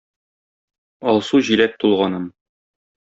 Алсу җиләк тулганын.